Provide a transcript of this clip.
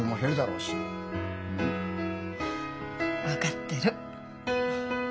うん？分かってる。